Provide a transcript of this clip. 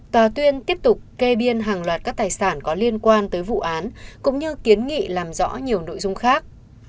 tòa tuyên tiếp tục kê biên hàng loạt các tài sản có liên quan tới vụ án cũng như kiến nghị làm rõ nhiều nội dung khác